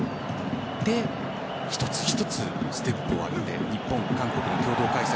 一つ一つ、ステップを上げて日本、韓国共同開催。